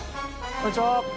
こんにちは。